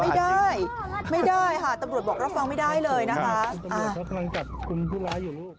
ไม่ได้ไม่ได้ค่ะตำรวจบอกรับฟังไม่ได้เลยนะคะ